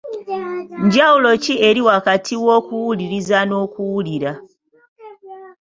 Njawulo ki eri wakati w'okuwuliriza n'okuwulira?